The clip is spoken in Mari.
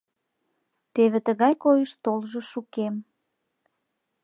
Теве тыгай койыш толжо шукем.